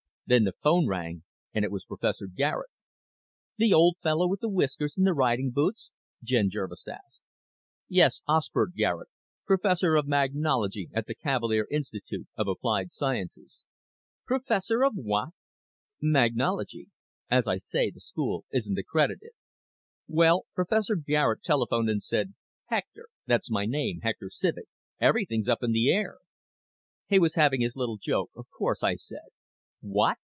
Then the phone rang and it was Professor Garet." "The old fellow with the whiskers and the riding boots?" Jen Jervis asked. "Yes. Osbert Garet, Professor of Magnology at the Cavalier Institute of Applied Sciences." "Professor of what?" "Magnology. As I say, the school isn't accredited. Well, Professor Garet telephoned and said, 'Hector' that's my name, Hector Civek 'everything's up in the air.' He was having his little joke, of course. I said, 'What?'